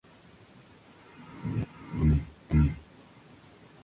Sus orígenes son difíciles de determinar por carecer de documentación fiable.